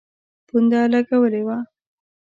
پونډه لګولي وه.